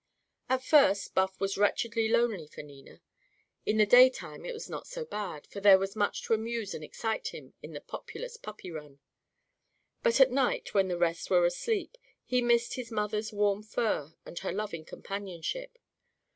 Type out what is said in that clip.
At first, Buff was wretchedly lonely for Nina. In the daytime it was not so bad. For there was much to amuse and excite him in the populous puppy run. But at night, when the rest were asleep, he missed his mother's warm fur and her loving companionship.